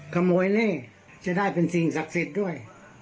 กระโมยแน่จะได้เป็นสิ่งศักดิ์ศีลด้วย